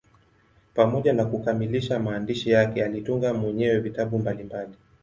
Pamoja na kukamilisha maandishi yake, alitunga mwenyewe vitabu mbalimbali.